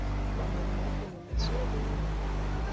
Maneno yako ni mazuri